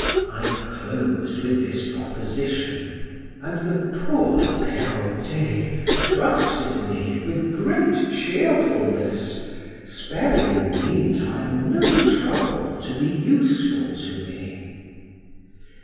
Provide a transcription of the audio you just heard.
I closed with this proposition, and the poor Perrotet trusted me with great cheerfulness, sparing, meantime, no trouble to be useful to me.